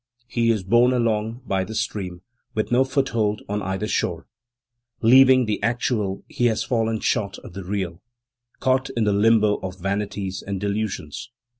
He is borne along by the stream, with no foothold on either shore. Leaving the actual, he has fallen short of the real, caught in the limbo of vanities and delusions.